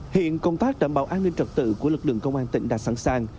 hiện công tác đảm bảo an ninh trật tự của lực lượng công an tỉnh đã sẵn sàng